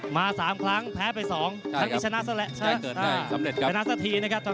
มา๓ครั้งแพ้ไป๒ครั้งนี้ชนะซะแหละ